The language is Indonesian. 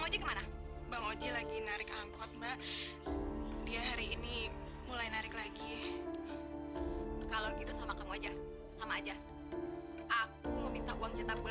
sampai jumpa di video selanjutnya